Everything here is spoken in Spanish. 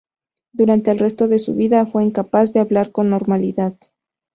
Durante el resto de su vida fue incapaz de hablar con normalidad.